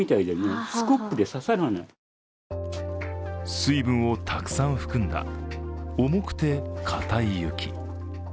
水分をたくさん含んだ重くて硬い雪。